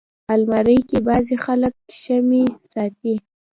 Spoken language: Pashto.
الماري کې بعضي خلک شمعې ساتي